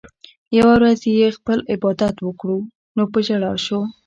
يوه ورځ چې ئې خپل عبادت وکړو نو پۀ ژړا شو